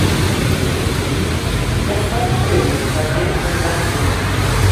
Як падстрэлены, пабег ён да сына.